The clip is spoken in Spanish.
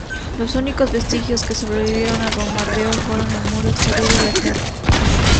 Los únicos vestigios que sobrevivieron al bombardeo fueron el muro exterior y la torre.